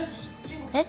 えっ？